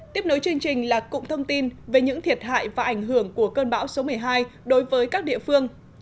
tiếp nối chương trình là cụm thông tin về những thiệt hại và ảnh hưởng của cơn bão số một mươi hai đối với các địa phương